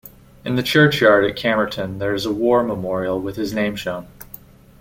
In the churchyard at Camerton there is a war memorial with his name shown.